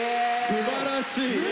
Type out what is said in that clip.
すばらしい。